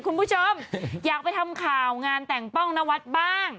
คุณผู้ชมอยากไปทำข่าวงานแต่งป้องนวัดบ้าง